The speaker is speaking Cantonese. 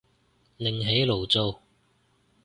另起爐灶